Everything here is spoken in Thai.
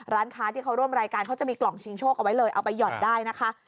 ร้านค้าที่เขาร่วมรายการเขาจะมีกล่องชิงโชคเอาไว้เลยเอาไปหย่อนได้นะคะ